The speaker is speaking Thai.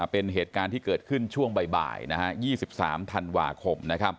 เป็นเหตุการณ์ที่เกิดขึ้นช่วงบ่าย๒๓ธันวาคม